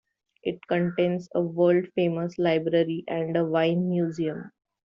It contains a world-famous library and a wine museum.